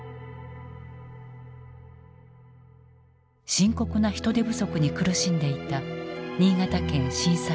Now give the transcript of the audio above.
深刻な人手不足に苦しんでいた新潟県深才村。